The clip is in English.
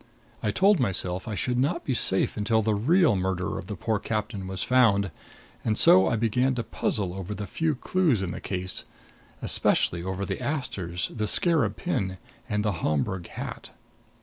I told myself I should not be safe until the real murderer of the poor captain was found; and so I began to puzzle over the few clues in the case especially over the asters, the scarab pin and the Homburg hat.